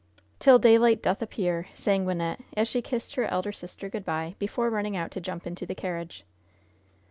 "'Till daylight doth appear,'" sang Wynnette, as she kissed her elder sister good by, before running out to jump into the carriage.